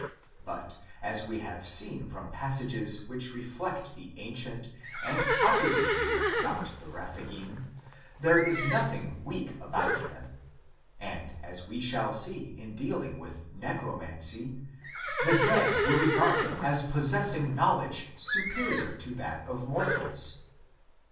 2 But, as we have seen from passages which reflect the ancient and popular view about the Rephaim, there is nothing "weak" about them; and, as we shall see in dealing with Necromancy, the dead were regarded as possessing know ledge superior to that of mortals.